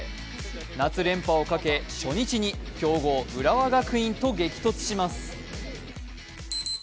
夏連覇をかけ、初日に強豪浦和学院と激突します。